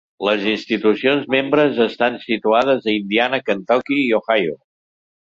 Les institucions membres estan situades a Indiana, Kentucky i Ohio.